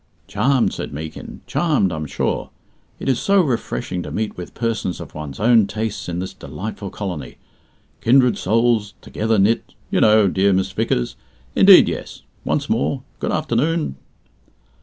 "Charmed," said Meekin "charmed, I am sure. It is so refreshing to meet with persons of one's own tastes in this delightful colony. 'Kindred souls together knit,' you know, dear Miss Vickers. Indeed yes. Once more good afternoon."